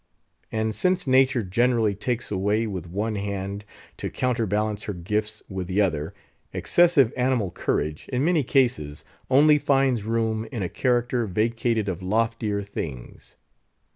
And since Nature generally takes away with one hand to counter balance her gifts with the other, excessive animal courage, in many cases, only finds room in a character vacated of loftier things.